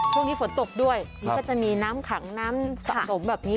ช่วงนี้ฝนตกด้วยมันก็จะมีน้ำขังน้ำสะสมแบบนี้